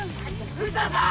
藤田さん！